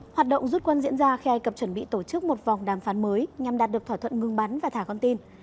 hoạt động rút quân diễn ra khi ai cập chuẩn bị tổ chức một vòng đàm phán mới nhằm đạt được thỏa thuận ngừng bắn và thả con tin